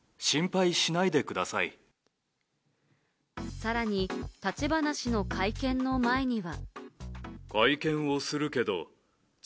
さらに、立花氏の会見の前には。